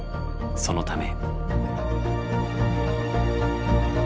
そのため。